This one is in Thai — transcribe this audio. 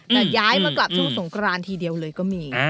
แต่ย้ายมากลับช่วงสงกรานทีเดียวเลยก็มี